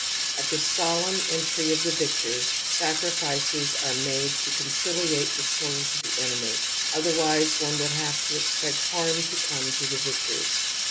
At the solemn entry of the victors, sacrifices are made to con ciliate the souls of the enemy ; otherwise one would have to expect harm to come to the vie THE AMBIVALENCE OF EMOTIONS 68 tors.